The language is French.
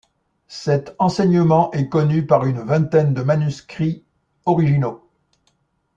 Cet enseignement est connu par une vingtaine de manuscripts originaux.